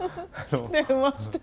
電話してね。